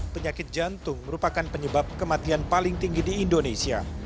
penyakit jantung merupakan penyebab kematian paling tinggi di indonesia